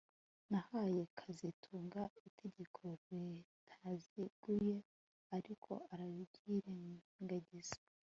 Nahaye kazitunga itegeko ritaziguye ariko arabyirengagiza